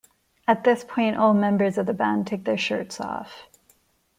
At this point, all members of the band take their shirts off.